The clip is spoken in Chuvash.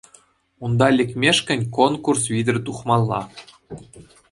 Унта лекмешкӗн конкурс витӗр тухмалла.